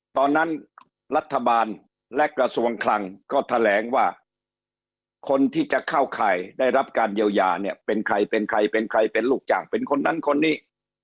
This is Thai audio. ตอนนั้นรัฐบาลและกระทรวงคลังก็แถลงว่าคนที่จะเข้าข่ายได้รับการเยียวยาเนี่ยเป็นใครเป็นใครเป็นใครเป็นลูกจ้างเป็นคนนั้นคนนี้